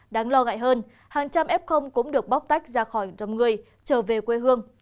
đáng lo ngại hơn hàng trăm f cũng được bóc tách ra khỏi đầm người trở về quê hương